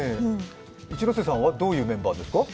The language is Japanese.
一ノ瀬さんは、どういうメンバーですか？